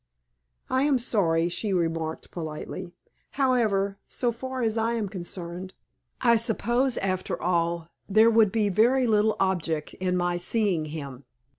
"I am sorry," she remarked, politely. "However, so far as I am concerned, I suppose after all there would be very little object in my seeing him.